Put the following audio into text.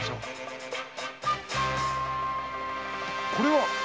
これは！？